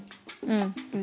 うん。